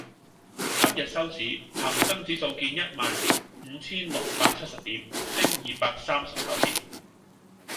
今日收市，恒生指數見一萬五千六百七十點，升二百三十九點